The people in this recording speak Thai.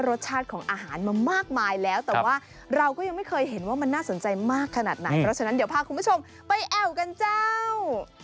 รสชาติของอาหารมามากมายแล้วแต่ว่าเราก็ยังไม่เคยเห็นว่ามันน่าสนใจมากขนาดไหนเพราะฉะนั้นเดี๋ยวพาคุณผู้ชมไปแอวกันเจ้า